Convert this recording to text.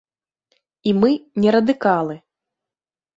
І мы не радыкалы.